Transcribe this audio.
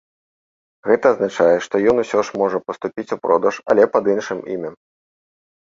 Гэта азначае, што ён усё ж можа паступіць у продаж, але пад іншым імем.